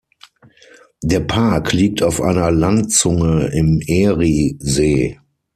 Der Park liegt auf einer Landzunge im Eriesee.